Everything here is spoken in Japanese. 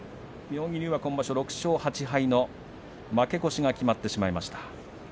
妙義龍が今場所６勝８敗の負け越しが決まってしまいました。